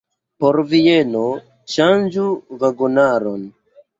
Por Vieno, ŝanĝu vagonaron!